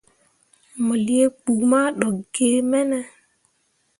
Mo lii kpu ma ɗokki ge mene ?